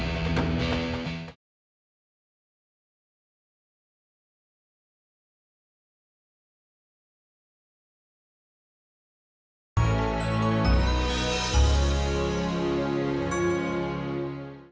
benci untuk igna